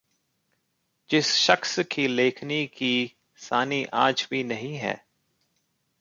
जिस शख्स की लेखनी की सानी आज भी नहीं है...